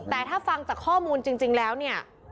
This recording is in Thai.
แต่ถ้าฟังจากข้อมูลจริงแล้วเนี่ย